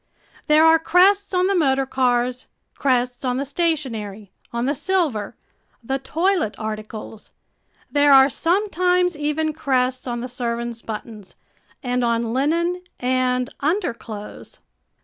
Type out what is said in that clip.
There are crests on the motor cars, crests on the stationery, on the silver, the toilet articles there are sometimes even crests on the servants' buttons and on linen and underclothes!